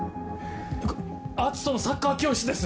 篤斗のサッカー教室です！